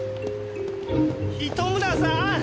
糸村さん！